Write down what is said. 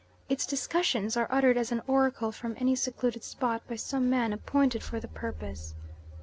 Its discussions are uttered as an oracle from any secluded spot by some man appointed for the purpose.